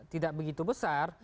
tidak begitu besar